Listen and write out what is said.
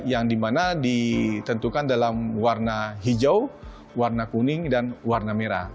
yang dimana ditentukan dalam warna hijau warna kuning dan warna merah